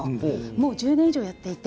もう１０年ぐらいやっていて。